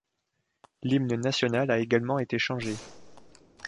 L'hymne national a également été changé.